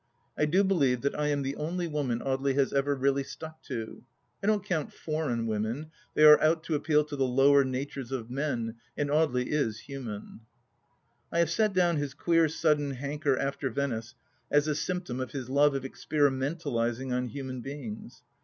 I do believe that I am the only woman Audely has really ever stuck to. I don't coimt foreign women — they are out to appeal to the lower natures of men, and Audely is human. I have set down his queer sudden hanker after Venice as a symptom of his love of experimentalizing on human beings.